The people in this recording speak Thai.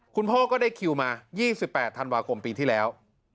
คุณพ่อก็ได้คิวมา๒๘ธันวาคมปีที่แล้ว